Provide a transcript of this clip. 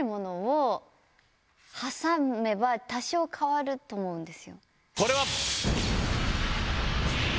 多少変わると思うんですよ。